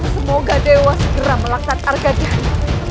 semoga dewa segera melaksanak arga dana